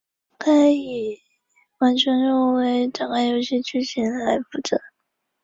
阿拉苏阿伊是巴西米纳斯吉拉斯州的一个市镇。